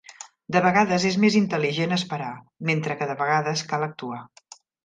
De vegades és més intel·ligent esperar, mentre que de vegades cal actuar.